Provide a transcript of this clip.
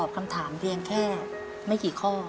ว้าวว้าว